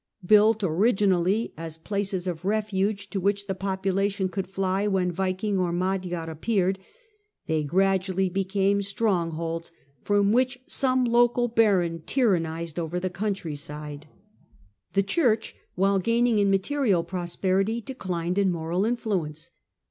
Built originally as places of refuge, to which the population could fly when Viking or Mag yar appeared, they gradually became strongholds from which some local baron tyrannised over the country side. TheCimrch The Church, while gaining in material prosperity, declined in moral influence.